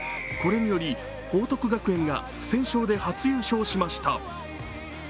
これにより報徳学園が不戦勝で初優勝しました。